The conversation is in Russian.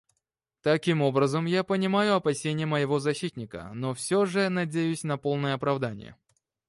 Таким образом, я понимаю опасения моего защитника, но все же надеюсь на полное оправдание.